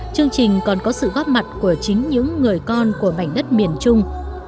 chương trình còn có sự góp mặt của chính những người con của mảnh đất miền trung